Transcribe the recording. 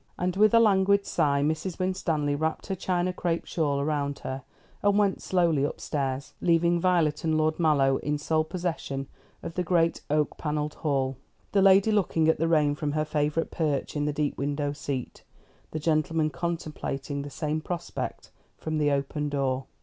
And with a languid sigh Mrs. Winstanley wrapped her China crape shawl round her, and went slowly upstairs, leaving Violet and Lord Mallow in sole possession of the great oak panelled hall; the lady looking at the rain from her favourite perch in the deep window seat, the gentleman contemplating the same prospect from the open door.